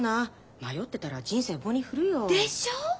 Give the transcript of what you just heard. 迷ってたら人生棒に振るよ。でしょ！？